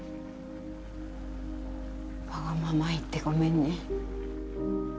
わがまま言ってごめんね。